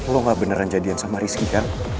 lo gak beneran jadian sama rizky kan